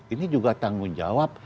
ini juga tanggung jawab